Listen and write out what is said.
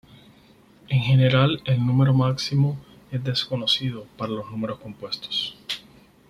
En general el número máximo es desconocido para los números compuestos.